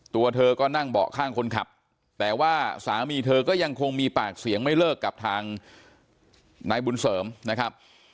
ตัวเธอก็นั่งเบาะข้างคนขับแต่ว่าสามีเธอก็ยังคงมีปากเสียงไม่เลิกกับทางนายบุญเสริมนะครับ